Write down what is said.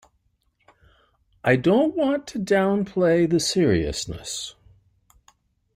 I don't want to downplay the seriousness.